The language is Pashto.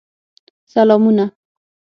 سلامونه !